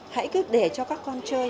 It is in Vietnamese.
hãy cứ để cho các con chơi